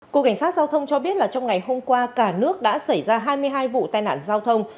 cục cảnh sát giao thông cho biết là trong ngày hôm qua cả nước đã xảy ra hai mươi hai vụ tai nạn giao thông